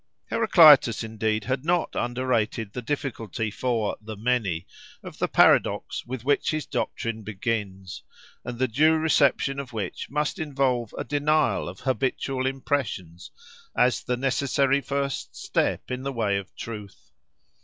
Heraclitus, indeed, had not under rated the difficulty for "the many" of the paradox with which his doctrine begins, and the due reception of which must involve a denial of habitual impressions, as the necessary first step in the way of truth.